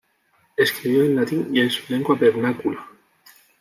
Escribió en latín y en su lengua vernácula.